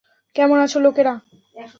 কেমন আছো, লোকেরা?